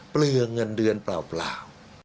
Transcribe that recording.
เปลือเงินเดือนเปล่า